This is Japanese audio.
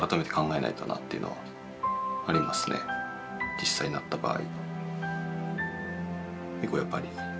実際なった場合。